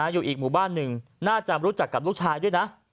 อยู่อีกหมู่บ้านหนึ่งน่าจะรู้จักกับลูกชายด้วยนะ